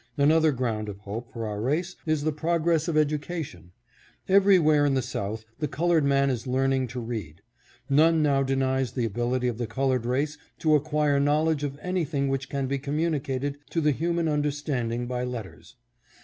Another ground of hope for our race is in the progress of education. Everywhere in the South the colored man is learning to read. None now denies the ability of the colored race to acquire knowledge of anything which can be communicated to the human understanding by letters.